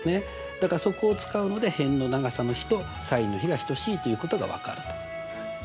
だからそこを使うので辺の長さの比とｓｉｎの比が等しいということが分かると。